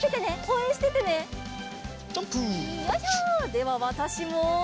ではわたしも。